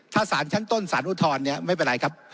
ถ้าสารชั้นต้นสารอุทธรณ์เนี่ยไม่เป็นไรครับ